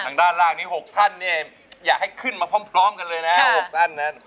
ทางด้านล่างนี้๖ท่านเนี่ยอยากให้ขึ้นมาพร้อมกันเลยนะ๖ท่านนั้น